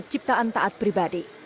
ciptaan taat pribadi